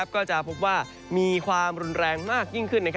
ก็จะพบว่ามีความรุนแรงมากยิ่งขึ้น